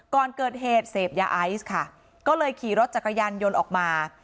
ก่อนเกิดเหตุเสพยาไอซ์ค่ะก็เลยขี่รถจักรยานยนต์ออกมา